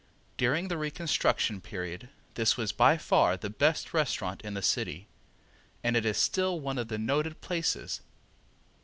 During the reconstruction period this was by far the best restaurant in the city, and it is still one of the noted places.